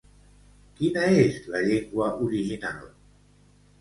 Quina és la llengua original?